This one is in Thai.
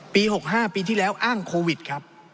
๖๕ปีที่แล้วอ้างโควิดครับ